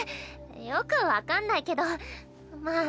よく分かんないけどまあ